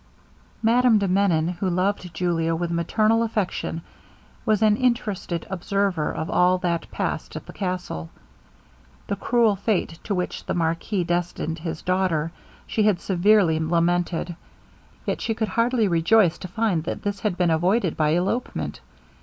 Madame de Menon, who loved Julia with maternal affection, was an interested observer of all that passed at the castle. The cruel fate to which the marquis destined his daughter she had severely lamented, yet she could hardly rejoice to find that this had been avoided by elopement.